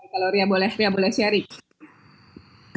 kalau ria boleh share